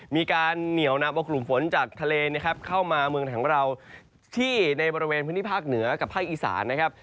มีการเหนียวนำเอากลุ่มฝนจากทะเลนะครับเข้ามาเมืองของเราที่ในบริเวณพื้นที่ภาคเหนือกับภาคอีสานนะครับ